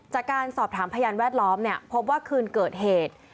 จากการสอบถามพยานแวดล้อมเนี่ยพบว่าคืนเกิดเหตุ